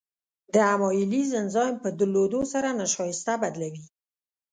د امایلیز انزایم په درلودو سره نشایسته بدلوي.